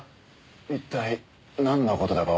一体なんの事だか私には。